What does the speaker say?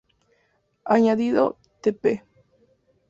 Añadido t.-p.